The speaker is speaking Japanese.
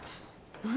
何？